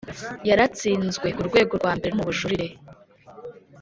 Yaratsinzwe ku rwego rwa mbere no mu bujurire